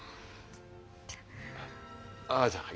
ああじゃあはい。